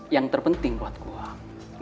yang terpenting buat gue